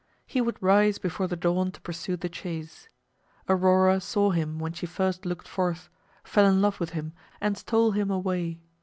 He would rise before the dawn to pursue the chase. Aurora saw him when she first looked forth, fell in love with him, and stole him away.